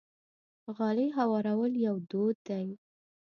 غالۍ هوارول یو دود دی.